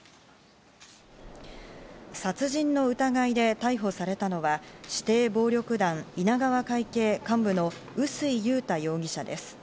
殺人の疑いで逮捕されたのは指定暴力団、稲川会系幹部の臼井裕太容疑者です。